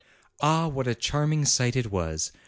Ah, what a charming sight it was!